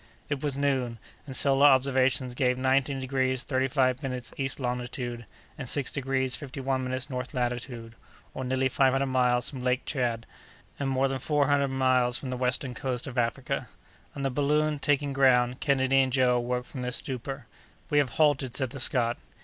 It was noon; and solar observations gave nineteen degrees thirty five minutes east longitude, and six degrees fifty one minutes north latitude, or nearly five hundred miles from Lake Tchad, and more than four hundred miles from the western coast of Africa. On the balloon taking ground, Kennedy and Joe awoke from their stupor. "We have halted," said the Scot.